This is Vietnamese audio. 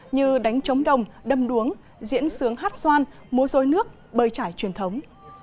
như đánh chống đồng đâm đuống diễn sướng hát xoan mua rối nước bơi trải truyền thống